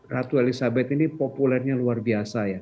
ratu elizabeth ini populernya luar biasa ya